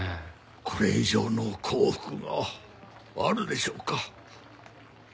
これ以上の幸福があるでしょうか。